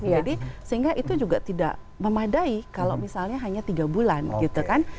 jadi sehingga itu juga tidak memadai kalau misalnya hanya tiga bulan gitu kan